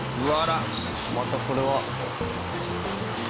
またこれは？